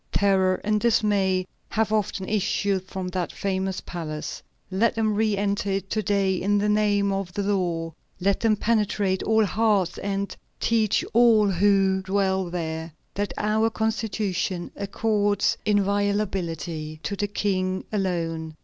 Terror and dismay have often issued from that famous palace. Let them re enter it to day in the name of the law, let them penetrate all hearts, and teach all who dwell there, that our Constitution accords inviolability to the King alone.